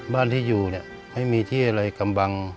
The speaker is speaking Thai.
บ้านที่อยู่ให้มีที่อะไรกำบัง